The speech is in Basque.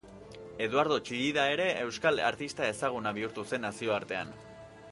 Eduardo Txillida ere euskal artista ezaguna bihurtu zen nazioartean.